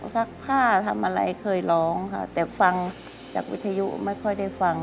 ซักผ้าทำอะไรเคยร้องค่ะแต่ฟังจากวิทยุไม่ค่อยได้ฟัง